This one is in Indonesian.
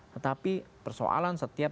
tetapi persoalan seterusnya itu yang kita lihat